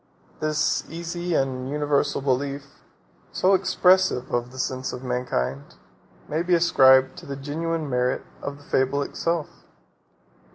49 This easy and universal belief, so expressive of the sense of mankind, may be ascribed to the genuine merit of the fable itself.